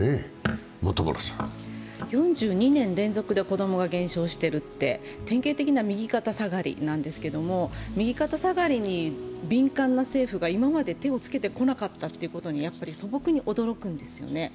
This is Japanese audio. ４２年連続で子供が減少してるって、典型的な右肩下がりなんですが右肩下がりに敏感な政府が今まで手をつけてこなかったということにやっぱり素朴に驚くんですよね。